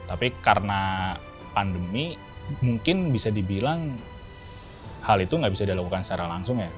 tapi karena pandemi mungkin bisa dibilang hal itu nggak bisa dilakukan secara langsung ya